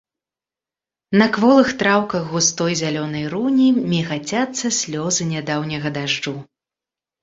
На кволых траўках густой зялёнай руні мігацяцца слёзы нядаўняга дажджу.